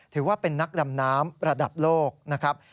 ถือว่าเป็นนักดำน้ำระดับโลกนะครับ